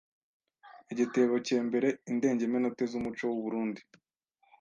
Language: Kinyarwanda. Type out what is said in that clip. egetebo ke mbere, Indengemenote z’umuco w’u Burunndi